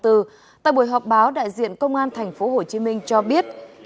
tại buổi họp báo đại diện công an thành phố hồ chí minh cho biết